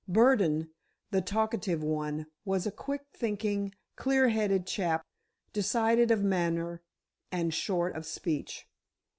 Burdon, the talkative one, was a quick thinking, clear headed chap, decided of manner and short of speech.